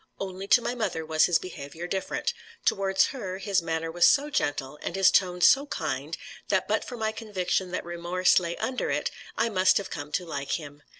Only to my mother was his behaviour different; towards her his manner was so gentle, and his tone so kind, that but for my conviction that remorse lay under it, I must have come to like him.